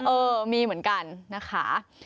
เออมีเหมือนกันนะคะ